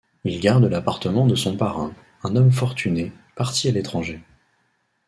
Il garde l'appartement de son parrain, une homme fortuné, parti à l'étranger.